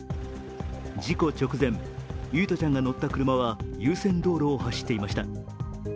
事故直前、唯叶ちゃんが乗った車は優先道路を走っていました。